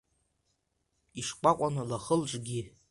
Ишкәакәан лхы-лҿгьы.